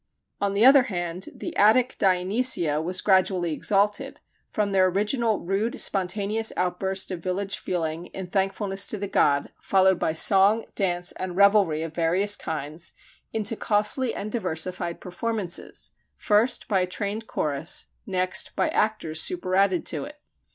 On the other hand, the Attic Dionysia were gradually exalted, from their original rude spontaneous outburst of village feeling in thankfulness to the god, followed by song, dance and revelry of various kinds, into costly and diversified performances, first by a trained chorus, next by actors superadded to it.